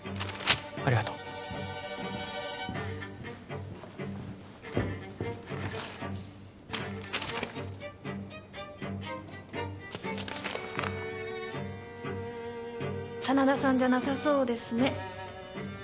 ありがとう真田さんじゃなさそうですね